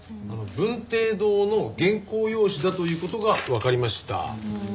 文綴堂の原稿用紙だという事がわかりました。